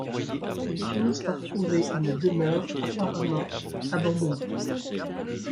Ils finissent par trouver une demeure apparemment abandonnée.